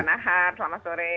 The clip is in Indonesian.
pak nahar selamat sore